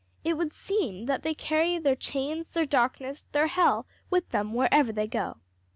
It would seem that they carry their chains, their darkness, their hell with them wherever they go.